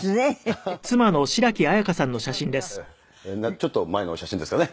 ちょっと前の写真ですかね。